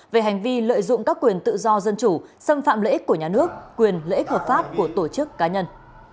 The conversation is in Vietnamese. về hành vi lợi dụng các quyền tự do dân chủ xâm phạm lợi ích của nhà nước quyền lợi ích hợp pháp của tổ chức cá nhân